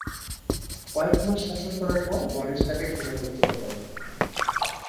কয়েকমাস শাসন করার পর গণেশ তাকে ক্ষমতাচ্যুত করেন।